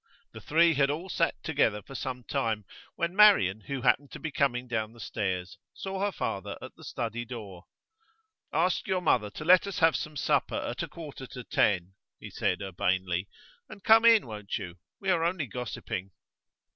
The three had all sat together for some time, when Marian, who happened to be coming down stairs, saw her father at the study door. 'Ask your mother to let us have some supper at a quarter to ten,' he said urbanely. 'And come in, won't you? We are only gossiping.